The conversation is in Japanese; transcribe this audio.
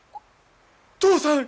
父さん！